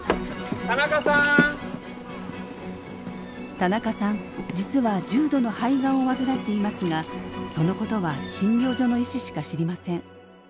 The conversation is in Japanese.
田中さん実は重度の肺がんを患っていますがそのことは診療所の医師しか知りません。